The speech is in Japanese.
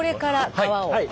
皮を。